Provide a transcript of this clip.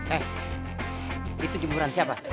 eh itu jemuran siapa